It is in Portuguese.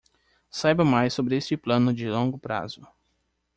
Saiba mais sobre este plano de longo prazo